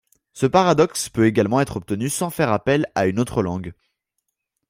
Ce paradoxe peut également être obtenu sans faire appel à une autre langue.